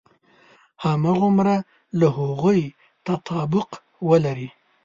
هماغومره له هغوی تطابق ولري.